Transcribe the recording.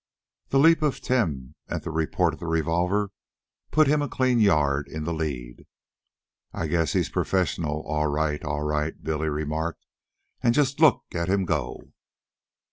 The leap of Tim, at the report of the revolver, put him a clean yard in the lead. "I guess he's professional, all right, all right," Billy remarked. "An' just look at him go!"